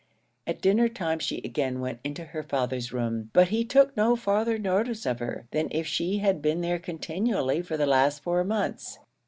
At dinner time, she again went into her father's room, but he took no farther notice of her, than if she had been there continually for the last four months.